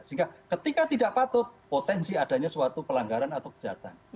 sehingga ketika tidak patut potensi adanya suatu pelanggaran atau kejahatan